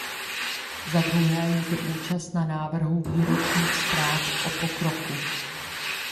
Zadruhé je to účast na návrhu výročních zpráv o pokroku.